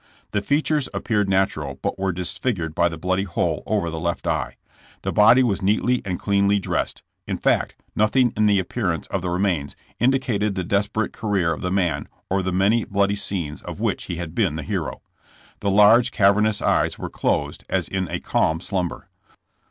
The features appeared natural, but were dis figured by the bloody hole over the left eye. The body was neatly and cleanly dressed; in fact, noth ing in the appearance of the remains indicated the desperate career of the man or the many bloody scenes of which he had been the hero. The large, cavernous eyes were closed as in a calm slumber.